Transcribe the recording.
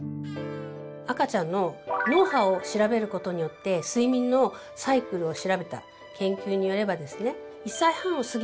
赤ちゃんの脳波を調べることによって睡眠のサイクルを調べた研究によればですね。